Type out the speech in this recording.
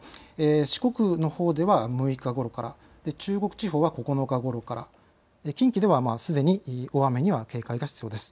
四国のほうでは６日ごろから、中国地方は９日ごろから、近畿ではすでに大雨に警戒が必要です。